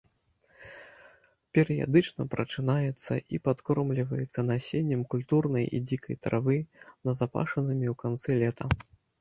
Перыядычна прачынаецца і падкормліваецца насеннем культурнай і дзікай травы, назапашанымі ў канцы лета.